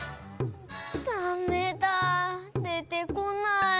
ダメだでてこない。